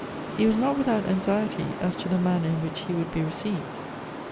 He was not without anxiety as to the manner in which he would be received.